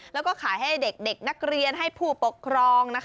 แล้วก็ขายให้เด็กนักเรียนให้ผู้ปกครอง